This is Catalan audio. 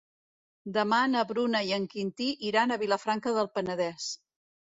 Demà na Bruna i en Quintí iran a Vilafranca del Penedès.